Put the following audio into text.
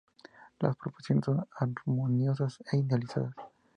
Las proporciones son armoniosas e idealizadas.